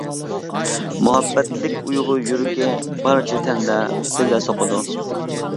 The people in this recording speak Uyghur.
مۇھەببەتلىك ئۇيغۇر يۈرىكى، بارچە تەندە بىللە سوقىدۇ.